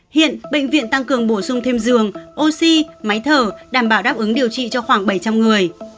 hiện bệnh viện tăng cường bổ sung thêm giường oxy máy thở đảm bảo đáp ứng điều trị cho khoảng bảy trăm linh người